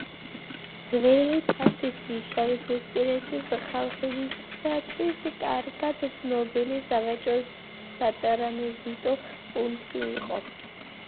ძველი ფასისი შავიზვისპირეთის ხალხებისათვის კარგად ცნობილი სავაჭრო-სატრანზიტო პუნქტი იყო